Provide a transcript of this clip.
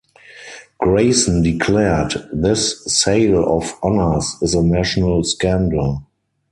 Grayson declared: This sale of honours is a national scandal.